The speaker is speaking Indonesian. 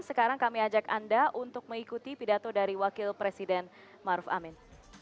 sekarang kami ajak anda untuk mengikuti pidato dari wakil presiden maruf amin